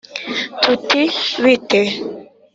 tuti bite’